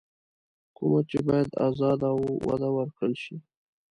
کومه چې بايد ازاده او وده ورکړل شي.